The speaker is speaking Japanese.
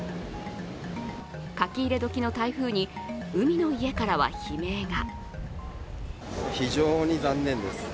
書き入れ時の台風に海の家からは悲鳴が。